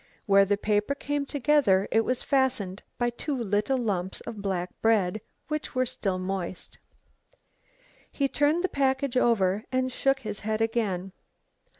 Where the paper came together it was fastened by two little lumps of black bread, which were still moist. He turned the package over and shook his head again.